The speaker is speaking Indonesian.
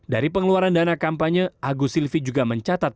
dari pengeluaran dana kampanye agus silvi juga mencatat